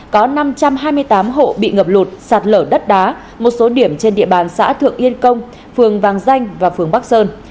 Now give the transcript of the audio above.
có năm trăm hai mươi tám hộ bị ngập lụt sạt lở đất đá một số điểm trên địa bàn xã thượng yên công phường vàng danh và phường bắc sơn